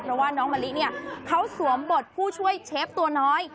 เพราะว่าน้องมะลิเนี่ยเขาสวมบทผู้ช่วยเชฟตัวน้อย